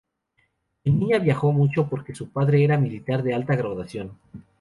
De niña viajó mucho porque su padre era militar de alta graduación.